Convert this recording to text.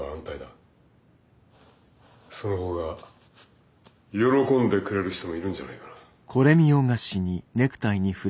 その方が喜んでくれる人もいるんじゃないかな。